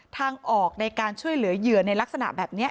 ทางออกในการช่วยเหลือเหยื่อในลักษณะแบบนี้